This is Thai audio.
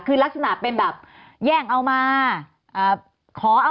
คือคดีฆ่าผู้อื่นตายโดยชนะ